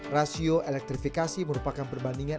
rasio elektrifikasi merupakan perbandingan